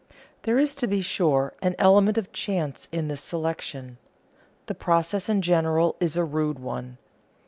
_ There is, to be sure, an element of chance in this selection. The process in general is a rude one.